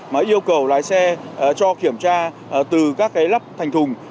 mà yêu cầu lái xe cho kiểm tra từ các cái lắp thành thùng